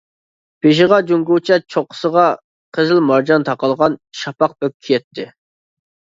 بېشىغا جۇڭگوچە چوققىسىغا قىزىل مارجان تاقالغان شاپاق بۆك كىيەتتى.